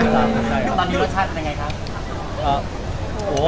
ประชาติเป็นไงคะ